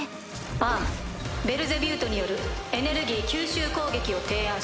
案ベルゼビュートによるエネルギー吸収攻撃を提案します。